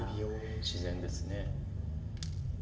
自然ですね。